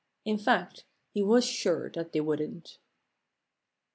In fact he was sure that they wouldn't.